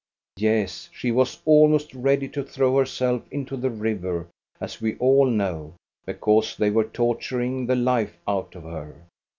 Yes, she was almost ready to throw herself into the river, as we all know, because they were torturing the life out of her.